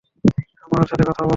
আমার সাথে কথা বলা।